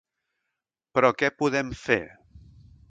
Però què podem fer?